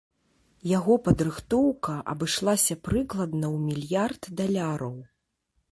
Яго падрыхтоўка абышлася прыкладна ў мільярд даляраў.